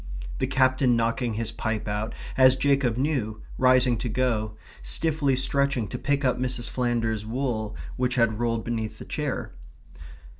the Captain knocking his pipe out, as Jacob knew, rising to go, stiffly stretching to pick up Mrs. Flanders's wool which had rolled beneath the chair.